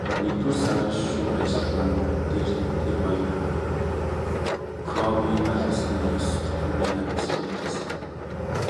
Нэгдүгээр сарын шүүх ажиллагаан дээр тэр хоёр Кировыг алуулсны ёс суртахууны хариуцлагыг хүлээсэн.